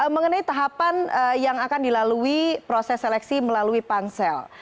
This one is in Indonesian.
mengenai tahapan yang akan dilalui proses seleksi melalui pansel